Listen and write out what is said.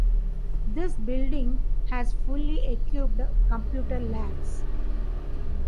This building has fully equipped computer labs.